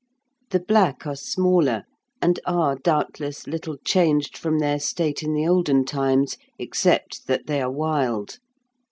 The black are smaller, and are doubtless little changed from their state in the olden times, except that they are wild.